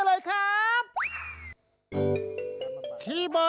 ต้องหาคู่เต้นอยู่ป่ะคะ